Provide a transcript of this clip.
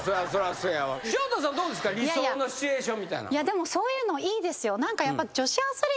でもそういうのいいですよ。